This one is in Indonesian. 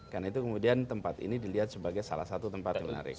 karena itu kemudian tempat ini dilihat sebagai salah satu tempat yang menarik